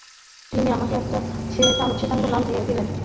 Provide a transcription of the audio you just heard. তিনি আমাকে একটা শেতাঙ্গ নাম দিলেন।